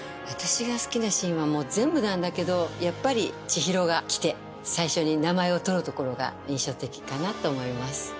私が好きなシーンはもう全部なんだけどやっぱり千尋が来て最初に名前を取るところが印象的かなと思います。